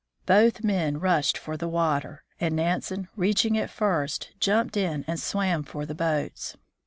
Both men rushed for the water, and Nansen, reaching it first, jumped in and swam for the boats.